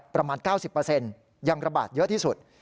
ประมาณ๙๐ยังระบาดเยอะที่สุด